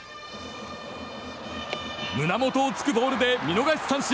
胸元を突くボールで見逃し三振！